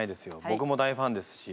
ぼくも大ファンですし。